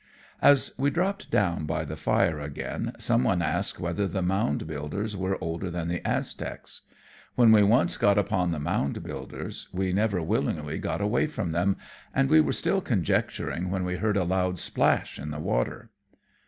As we dropped down by the fire again some one asked whether the Mound Builders were older than the Aztecs. When we once got upon the Mound Builders we never willingly got away from them, and we were still conjecturing when we heard a loud splash in the water.